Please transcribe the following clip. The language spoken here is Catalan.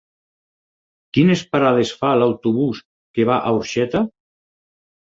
Quines parades fa l'autobús que va a Orxeta?